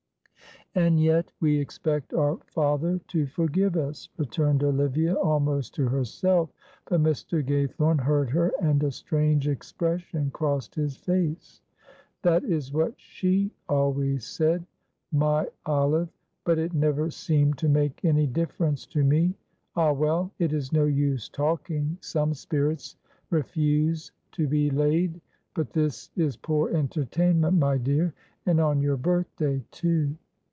"And yet we expect our Father to forgive us," returned Olivia, almost to herself, but Mr. Gaythorne heard her, and a strange expression crossed his face. "That is what she always said my Olive, but it never seemed to make any difference to me. Ah, well, it is no use talking, some spirits refuse to be laid, but this is poor entertainment, my dear, and on your birthday too!"